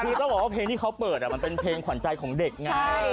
คือต้องบอกว่าเพลงที่เขาเปิดมันเป็นเพลงขวัญใจของเด็กไง